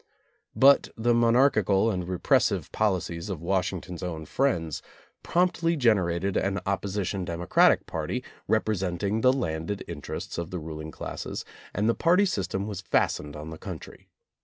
But the monarchi cal and repressive policies of Washington's own friends promptly generated an opposition demo cratic party representing the landed interests of the ruling classes, and the party system was fast ened on the country.